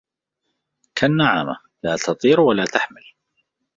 كالنعامة: لا تطير ولا تحمل